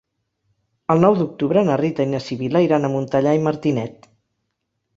El nou d'octubre na Rita i na Sibil·la iran a Montellà i Martinet.